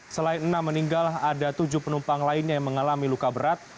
selain enam meninggal ada tujuh penumpang lainnya yang mengalami luka berat